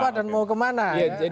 mau apa dan mau kemana